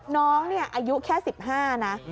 น้องอายุแค่๑๕นะ